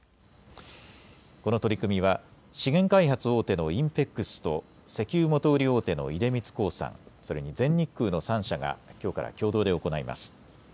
この取り組みは資源開発大手のＩＮＰＥＸと石油元売り大手の出光興産、それに全日空の３社がきょうから共同で行います。